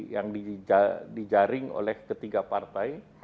yang dijaring oleh ketiga partai